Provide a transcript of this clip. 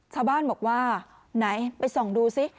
ชาวบ้านบอกว่าไหนไปส่องดูซิ